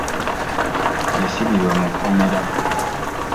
Yasibibwa mu kkomera.